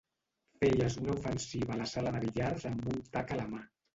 Feies una ofensiva a la sala de billars amb un tac a la mà.